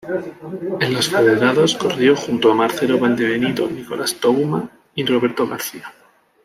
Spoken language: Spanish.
En los federados corrió junto a Marcelo Valdebenito, Nicolás Touma y Roberto García.